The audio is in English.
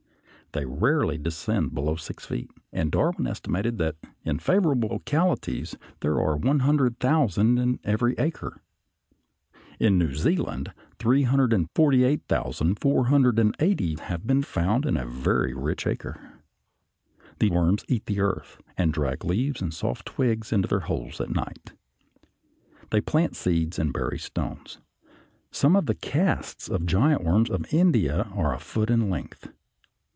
They rarely descend below six feet, and Darwin estimated that in favorable localities there are 100,000 in every acre. In New Zealand 348,480 have been found in a very rich acre. The worms eat the earth, and drag leaves and soft twigs into their holes at night. They plant seeds and bury stones. Some of the casts of giant worms of India are a foot in length.